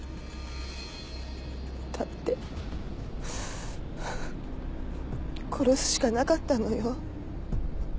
だって殺すしかなかったのよ。